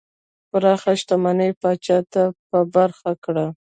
پراخه شتمنۍ پاچا ته په برخه کړه.